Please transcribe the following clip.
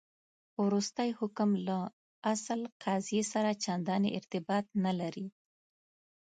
وروستی حکم له اصل قضیې سره چنداني ارتباط نه لري.